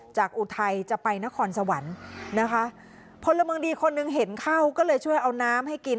อุทัยจะไปนครสวรรค์นะคะพลเมืองดีคนหนึ่งเห็นเข้าก็เลยช่วยเอาน้ำให้กิน